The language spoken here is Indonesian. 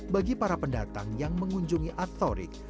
bagi para pendatang yang mengunjungi at thorik